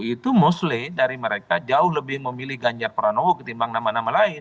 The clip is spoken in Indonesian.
itu mostly dari mereka jauh lebih memilih ganjar pranowo ketimbang nama nama lain